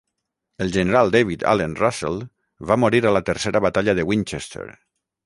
El general David Allen Russell va morir a la Tercera Batalla de Winchester.